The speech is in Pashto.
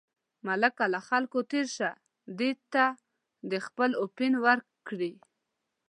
ملکه له خلکو تېر شه، دې ته دې خپل اپین ورکړي.